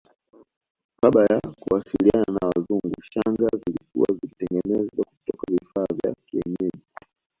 Kabla ya kuwasiliana na Wazungu shanga zilikuwa zikitengenezwa kutoka vifaa vya kienyeji